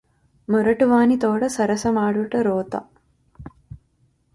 మొరటువానితోడ సరసమాడుట రోత